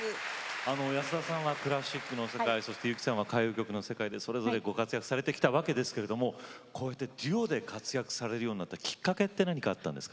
安田さんはクラシックの世界由紀さんは歌謡曲の世界でそれぞれご活躍されてきたわけですけれどもこうやってデュオで活躍されるようになったきっかけって何かあったんですか。